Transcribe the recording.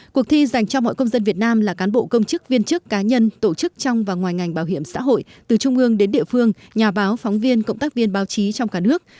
cuộc thi dành cho mọi công dân việt nam là cán bộ công chức viên chức cá nhân tổ chức trong và ngoài ngành bảo hiểm xã hội từ trung ương đến địa phương nhà báo phóng viên cộng tác viên báo chí trong cả nước